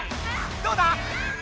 どうだ？